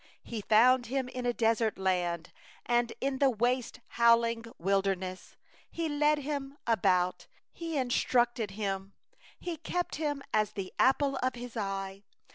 10He found him in a desert land, And in the waste, a howling wilderness; He compassed him about, He cared for him, He kept him as the apple of His eye.